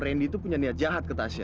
randy itu punya niat jahat ke tasha